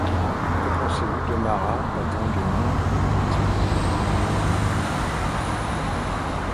Que pensez-vous de Marat battant des mains à la guillotine?